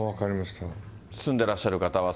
住んでらっしゃる方は。